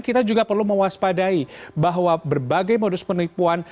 kita juga perlu mewaspadai bahwa berbagai modus penipuan